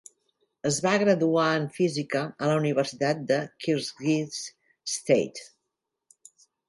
Es va graduar en física a la Universitat de Kyrgyz State.